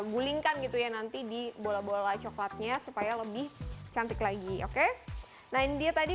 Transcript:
gulingkan gitu ya nanti di bola bola coklatnya supaya lebih cantik lagi oke nah ini dia tadi